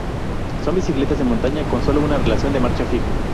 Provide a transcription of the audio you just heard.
Son bicicletas de montaña con sólo una relación de marcha fija.